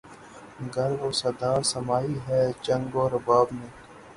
گر وہ صدا سمائی ہے چنگ و رباب میں